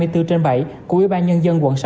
hai mươi bốn trên bảy của ubnd quận sáu